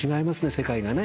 世界がね。